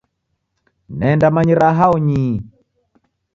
Nendamanyira hao nyii!